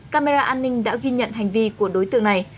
camera an ninh đã ghi nhận hành vi của đối tượng này